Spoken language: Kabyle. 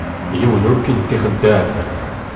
Yiwen ur kent-ixeddeε da.